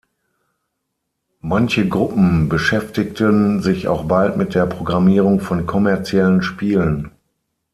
Manche Gruppen beschäftigten sich auch bald mit der Programmierung von kommerziellen Spielen.